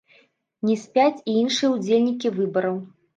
Не спяць і іншыя ўдзельнікі выбараў.